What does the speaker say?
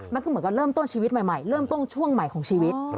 มันก็เหมือนกับเริ่มต้นชีวิตใหม่เริ่มต้นช่วงใหม่ของชีวิต